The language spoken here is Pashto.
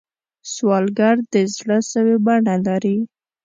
سوالګر د زړه سوې بڼه لري